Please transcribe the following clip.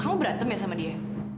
kamu berantem ya sama dia